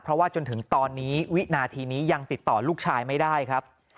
เพราะว่าจนถึงตอนนี้วินาทีนี้ยังติดต่อลูกชายไม่ได้ครับ